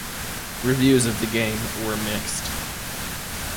Reviews of the game were mixed.